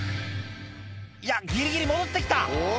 いやギリギリ戻ってきた！